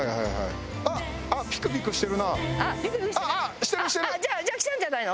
あっピクピクしてる？